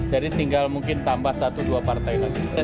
jadi tinggal mungkin tambah satu dua partai lagi